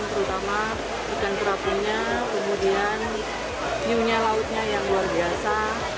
terutama ikan perabunya kemudian hiunya lautnya yang luar biasa